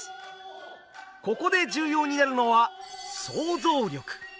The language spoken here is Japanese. ここで重要になるのは想像力！